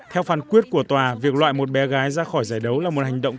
theo phán quyết của tòa việc loại một bé gái ra khỏi giải đấu là một hành động